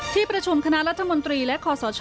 ที่ประชุมคณะรัฐมนตรีและคอสช